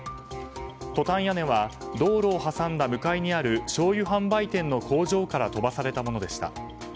トタン屋根は道路を挟んだ向かいにあるしょうゆ販売店の工場から飛ばされたものでした。